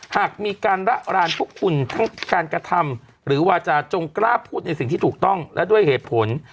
หากมีการระรานพวกคุณทั้งการกระทำหรือวาจาจงกล้าพูดในสิ่งที่ถูกต้องและด้วยเหตุผล